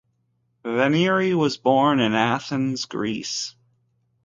Venieri was born in Athens, Greece.